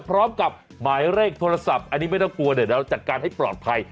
พร้อมกับหมายเลขโทรศัพท์อันนี้ไม่ต้องกลัวเดี๋ยวจัดการให้ปลอดภัย